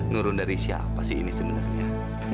nurun dari siapa sih ini sebenarnya